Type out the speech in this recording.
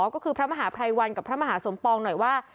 ก็คือพระมหาภัยวันกับพระมหาสมปองหน่อยว่า